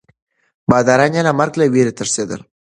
باداران یې د مرګ له ویرې تښتېدل.